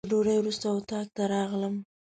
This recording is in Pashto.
تر ډوډۍ وروسته اتاق ته راغلم.